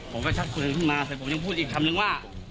ผมก็ชักปืนขึ้นมาแต่ผมยังพูดอีกคำนึงว่า